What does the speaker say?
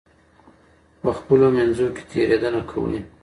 په خپلو منځونو کې تېرېدنه کوئ.